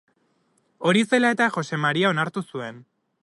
Hori zela eta Josef Maria onartu zuen.